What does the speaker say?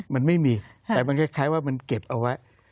มันไม่มีแต่มันคล้ายว่ามันเก็บเอาไว้